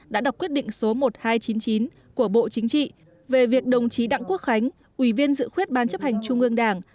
đã đọc quyết định số một nghìn hai trăm chín mươi chín của bộ chính trị về việc đồng chí đặng quốc khánh ủy viên dự khuyết ban chấp hành trung ương đảng